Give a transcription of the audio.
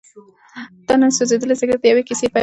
دا نیم سوځېدلی سګرټ د یوې کیسې پیل و.